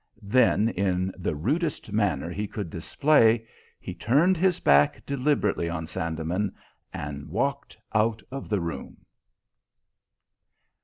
Then, in the rudest manner he could display, he turned his back deliberately on Sandeman and walked out of the room.